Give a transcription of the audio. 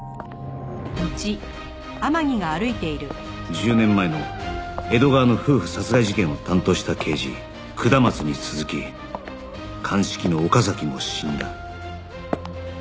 １０年前の江戸川の夫婦殺害事件を担当した刑事下松に続き鑑識の岡崎も死んだ